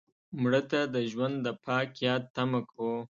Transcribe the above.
مړه ته د ژوند د پاک یاد تمه کوو